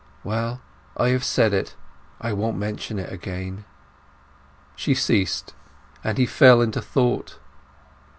Well, I have said it. I won't mention it again." She ceased, and he fell into thought.